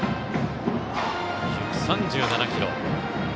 １３７キロ。